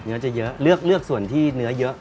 เนื้อจะเยอะเลือกส่วนที่เนื้อเยอะ